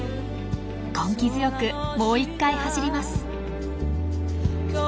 根気強くもう１回走ります。